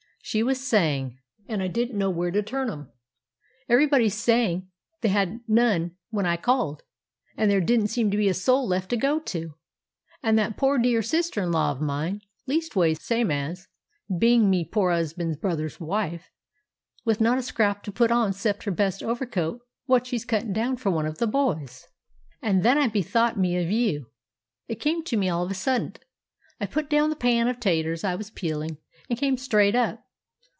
She was saying— "And I didn't know where to turn, m'm. Everybody saying they hadn't none when I called, and there didn't seem to be a soul left to go to, and that pore dear sister in law of mine—leastways same as, being me poor husband's brother's wife—with not a scrap to put on 'cept his best overcoat what she's cuttin' down for one of the boys. "And then I bethought me of you, it come to me all of a suddint. I put down the pan of 'taters I was peeling and come straight up.